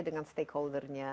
dengan stakeholder nya